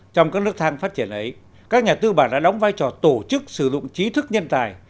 trong các nước than phát triển ấy các nhà tư bản đã đóng vai trò tổ chức sử dụng trí thức nhân tài